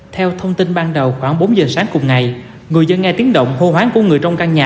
theo thông tin ban đầu khoảng bốn giờ sáng cùng ngày người dân nghe tiếng động hô hoáng của người trong căn nhà